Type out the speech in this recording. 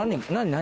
何？